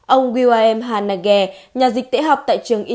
ông william hanage nhà dịch tễ học tại trường itc